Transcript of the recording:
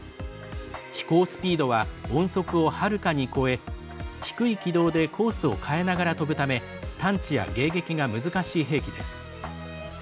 飛行スピードは音速をはるかに超え低い軌道でコースを変えながら飛ぶため探知や迎撃が難しい兵器です。